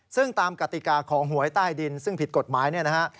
ซึ่งตามกติกาของหวยใต้ดินซึ่งผิดกฎหมายเนี่ยนะฮะ